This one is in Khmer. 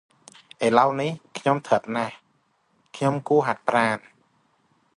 ឥឡូវនេះ ខ្ញុំធាត់ណាស់, ខ្ញុំ គួរតែហាត់ប្រាណ ។